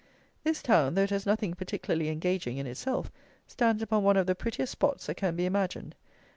This town, though it has nothing particularly engaging in itself, stands upon one of the prettiest spots that can be imagined.